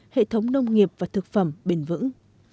hệ thống nông nghiệp và thực phẩm bền vững